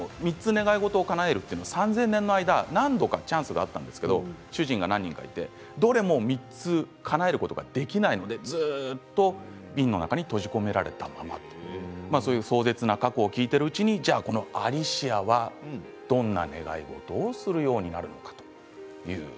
なかなかお願い事をするのは難しいと思うんですがジンも３つ願い事をかなえるというのは３０００年の間何度かチャンスがあったんですが主人が何人かいてどれも３つかなえることができないのでずっと瓶の中に閉じ込められたままそういう壮絶な過去を聞いているうちにアリシアはどんな願い事をするようになるのか。